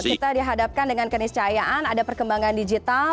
kita dihadapkan dengan keniscayaan ada perkembangan digital